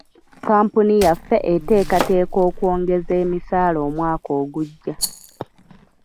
Kkampuni yaffe eteekateeka okwongeza emisaala omwaka ogujja.